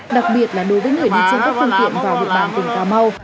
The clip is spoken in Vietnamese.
đặc biệt là đối với người đi trên các phương tiện vào địa bàn tỉnh cà mau